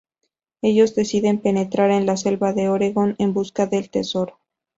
Ellos deciden penetrar en la selva de Oregón en busca del tesoro.